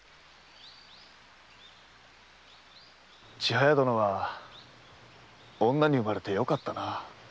千早殿は女に生まれてよかったな。